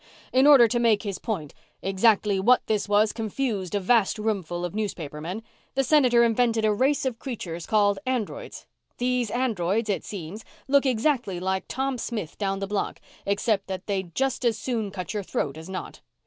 In order to make his point exactly what this was confused a vast roomful of newspapermen the Senator invented a race of creatures called androids. These androids, it seems, look exactly like Tom Smith down the block except that they'd just as soon cut your throat as not.